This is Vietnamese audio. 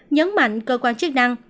nhấn mạnh cơ quan chức năng